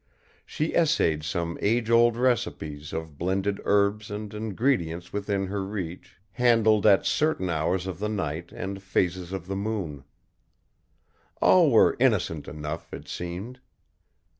She essayed some age old recipes of blended herbs and ingredients within her reach, handled at certain hours of the night and phases of the moon. All were innocent enough, it seemed.